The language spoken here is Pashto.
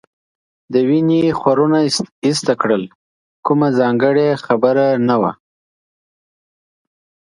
د وینې خورونه ایسته کړل، کومه ځانګړې خبره نه وه.